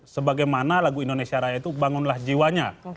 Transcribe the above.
sebagaimana lagu indonesia raya itu bangunlah jiwanya